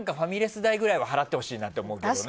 代ぐらいは払ってほしいと思うけどね。